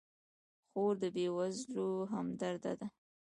خور د بېوزلو همدرده ده.